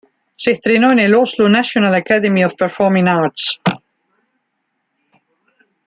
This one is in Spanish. Se entrenó en el "Oslo National Academy of Performing Arts".